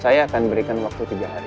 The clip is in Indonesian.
saya akan berikan waktu tiga hari